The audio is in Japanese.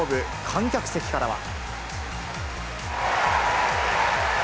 観客席からは。